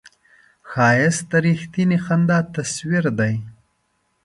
ښایست د رښتینې خندا تصویر دی